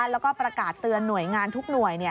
แล้วก็ประกาศเตือนหน่วยงานทุกหน่วย